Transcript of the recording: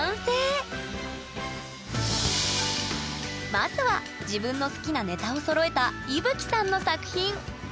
まずは自分の好きなネタをそろえたいぶきさんの作品！